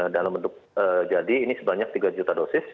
dalam bentuk jadi ini sebanyak tiga juta dosis